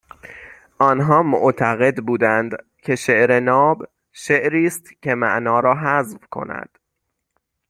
آنها معتقد بودند که شعر ناب شعریست که معنا را حذف کند